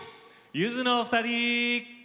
ゆずのお二人！